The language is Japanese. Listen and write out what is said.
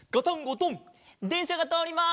でんしゃがとおります！